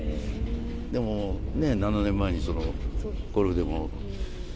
でも７年前にゴルフでも。